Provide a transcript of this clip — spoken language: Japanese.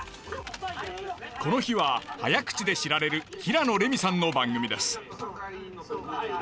この日は早口で知られる平野レミさんの番組です。